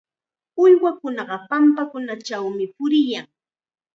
Uywakunaqa pampakunachawmi puriyan.